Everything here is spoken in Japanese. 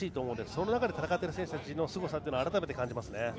その中で戦っている選手たちのすごさを改めて感じますね。